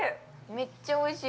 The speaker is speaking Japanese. めっちゃおいしい。